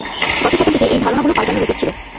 গত শতাব্দীতে এই ধারণা গুলো, পাল্টানোর উচিত ছিলে।